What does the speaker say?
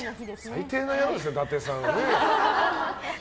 最低な野郎ですよ、伊達さん。